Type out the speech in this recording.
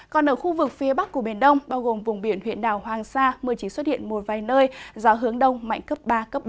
còn ở khu vực phía bắc của biển đông bao gồm vùng biển huyện đảo hoàng sa mưa chỉ xuất hiện một vài nơi gió hướng đông mạnh cấp ba bốn